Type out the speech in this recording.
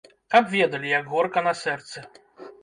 Каб ведалі, як горка на сэрцы.